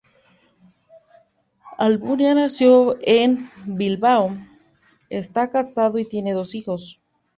Almunia nació en Bilbao, está casado y tiene dos hijos.